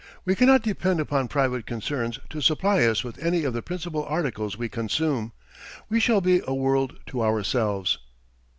We cannot depend upon private concerns to supply us with any of the principal articles we consume. We shall be a world to ourselves."